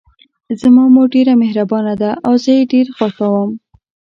زما مور ډیره مهربانه ده او زه یې ډېر خوښوم